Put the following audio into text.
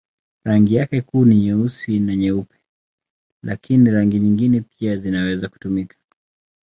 Rangi yake kuu ni nyeusi na nyeupe, lakini rangi nyingine pia zinaweza kutumika.